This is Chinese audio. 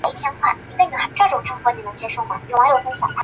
鸡爪簕为茜草科鸡爪簕属下的一个种。